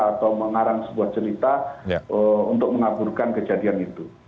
atau mengarang sebuah cerita untuk mengaburkan kejadian itu